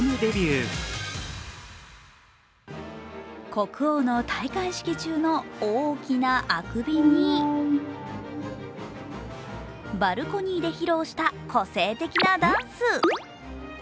国王の戴冠式中の大きなあくびにバルコニーで披露した個性的なダンス。